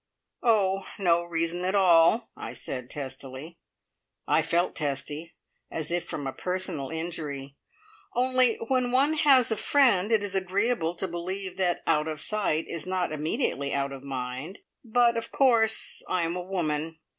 "Oh, no reason at all!" I said testily. I felt testy, as if from a personal injury. "Only when one has a friend, it is agreeable to believe that out of sight is not immediately out of mind. But, of course, I am a woman.